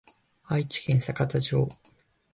愛知県幸田町